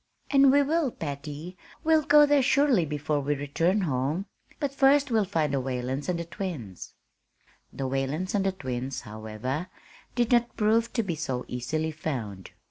"And we will, Patty; we'll go there surely before we return home. But first we'll find the Whalens and the twins." The Whalens and the twins, however, did not prove to be so easily found.